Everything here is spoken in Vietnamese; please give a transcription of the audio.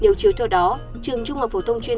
nếu chiếu theo đó trường trung học phổ thông chuyên